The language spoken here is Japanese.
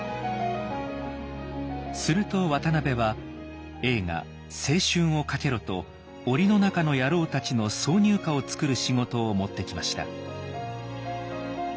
すると渡辺は映画「青春を賭けろ」と「檻の中の野郎たち」の挿入歌を作る仕事を持ってきました。